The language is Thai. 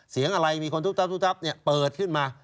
เสียงอะไรมีคนทุบทับเปิดขึ้นมา